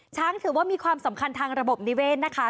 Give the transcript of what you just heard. ถือว่ามีความสำคัญทางระบบนิเวศนะคะ